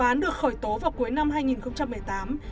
vụ án được khởi tố vào cuối năm hai nghìn một mươi tám